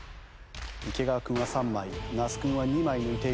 池川君は３枚那須君は２枚抜いている。